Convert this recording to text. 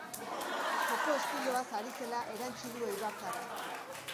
Joko estiloaz ari zela erantsi du eibartarrak.